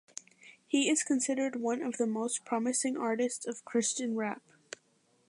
He is considered one of the most promising artists of Christian rap.